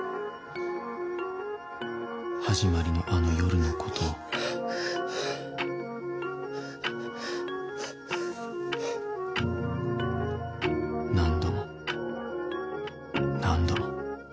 始まりのあの夜のことを何度も何度も。